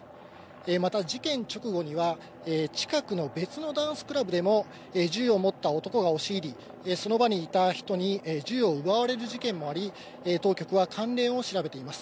また事件直後には近くの別のダンスクラブでも銃を持った男が押し入り、その場にいた人に銃を奪われる事件もあり当局は関連を調べています。